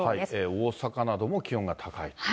大阪なども気温が高い。